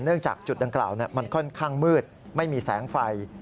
จากจุดดังกล่าวมันค่อนข้างมืดไม่มีแสงไฟ